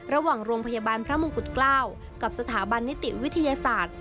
ระหว่างโรงพยาบาลพระมงกุฎเกล้ากับสถาบันนิติวิทยาศาสตร์